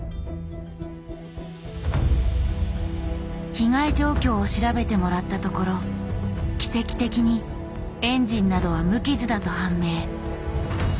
被害状況を調べてもらったところ奇跡的にエンジンなどは無傷だと判明。